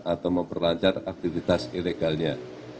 atau memperlancar aktivitas ilegalnya